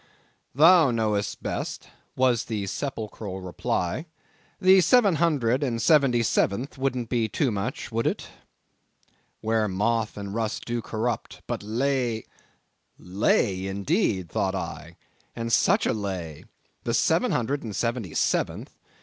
"Thou knowest best," was the sepulchral reply, "the seven hundred and seventy seventh wouldn't be too much, would it?—'where moth and rust do corrupt, but lay—'" Lay, indeed, thought I, and such a lay! the seven hundred and seventy seventh!